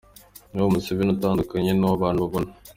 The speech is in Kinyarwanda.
Ng’uwo Museveni utandukanye n’uwo abantu babona.